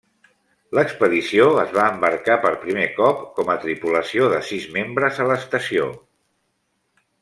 L'expedició es va embarcar per primer cop com a tripulació de sis membres a l'estació.